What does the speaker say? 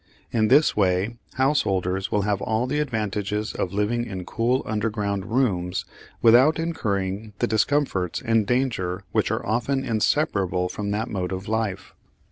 In this way householders will have all the advantages of living in cool underground rooms without incurring the discomforts and dangers which are often inseparable from that mode of life.